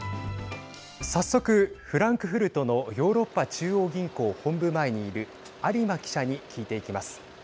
早速フランクフルトのヨーロッパ中央銀行本部前にいる有馬記者に聞いていきます。